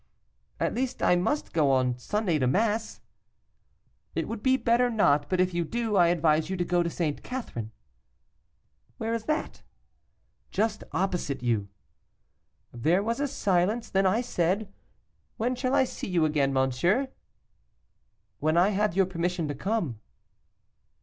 'At least I must go on Sunday to mass.' 'It would be better not; but if you do, I advise you to go to St. Catherine.' 'Where is that?' 'Just opposite you.' There was a silence. Then I said, 'When shall I see you again, monsieur?' 'When I have your permission to come.